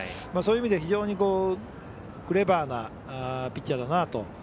そういう意味で非常にクレバーなピッチャーだなと。